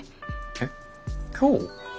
えっ今日？